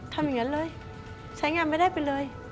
ทำอย่างนั้นเลยใช้งานไม่ได้ไปเลย